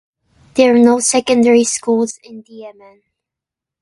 There are no secondary schools in Diemen.